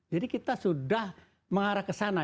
jadi kita sudah mengarah ke sana